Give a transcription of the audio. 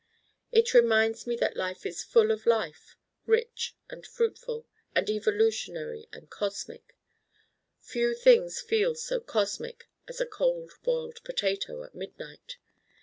It reminds me that life is full of life rich and fruitful and evolutionary and cosmic: few things feel so cosmic as a Cold Boiled Potato at midnight.